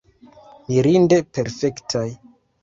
Mirinde perfektaj.